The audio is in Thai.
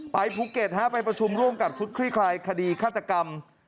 ภูเก็ตไปประชุมร่วมกับชุดคลี่คลายคดีฆาตกรรม